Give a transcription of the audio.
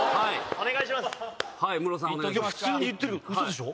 お願いします。